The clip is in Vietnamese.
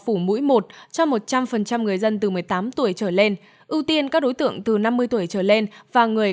phủ mũi một cho một trăm linh người dân từ một mươi tám tuổi trở lên ưu tiên các đối tượng từ năm mươi tuổi trở lên và người